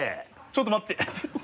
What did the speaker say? ちょっと待って。